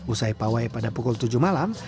usai pawai pada pukul tujuh malam